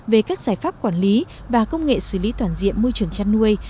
về các giải pháp quản lý và công nghệ xử lý toàn diện môi trường chăn nuôi